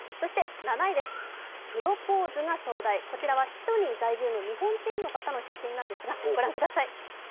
７位です、プロポーズが壮大、こちらはシドニー在住の日本人の方の写真なんですが、ご覧ください。